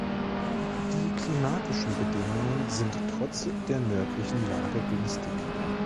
Die klimatischen Bedingungen sind trotz der nördlichen Lage günstig.